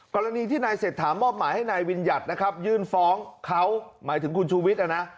กรณีที่นายเศรษฐามอบหมายให้นายวิญญัตินะครับยื่นฟ้องเขาหมายถึงคุณชูวิทย์นะ